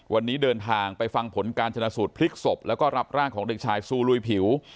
วันนี้เดินทางไปฟังผลการชนะสูตรพลิกศพแล้วก็รับร่างของเด็กชายซูลุยผิว